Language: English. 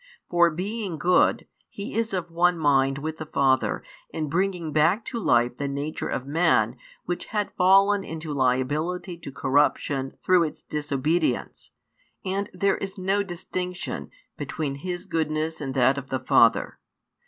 For being good, He is of one mind with the Father in bringing back to life the nature of man which had fallen into liability to corruption through its disobedience; and there is no distinction |127 between His goodness and that of the Father.